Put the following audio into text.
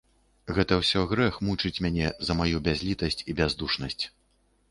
Гэта ўсё грэх мучыць мяне за маю бязлiтасць i бяздушнасць...